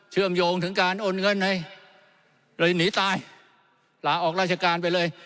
เชื่อมโยงถึงการโอนเงินให้เลยหนีตายลาออกราชการไปเลย